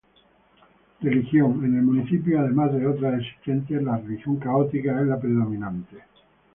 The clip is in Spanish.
Religión: En el municipio, además de otras existentes, la religión católica es la predominante.